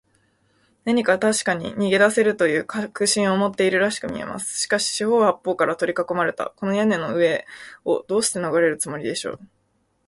何かたしかに逃げだせるという確信を持っているらしくみえます。しかし、四ほう八ぽうからとりかこまれた、この屋根の上を、どうしてのがれるつもりでしょう。